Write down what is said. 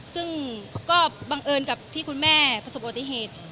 ซึ่งก็บังเอิญกับที่คุณแม่ประสบปฏิเหตุ